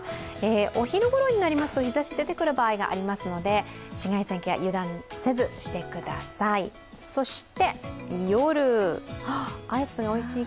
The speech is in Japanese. お昼頃になりますと日差しが出てくる場合がありますので紫外線ケア、油断せずしてください夜、アイスがおいしい